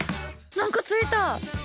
何かついた！